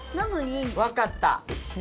わかった。